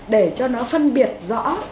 để cho nó phân biệt rõ